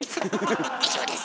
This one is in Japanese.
以上です。